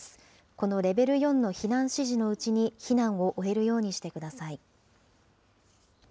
このレベル４の避難指示のうちに避難を終えるようにしてください。